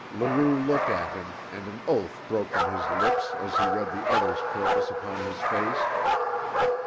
Leroux looked at him, and an oath broke from his lips as he read the other's purpose upon his face.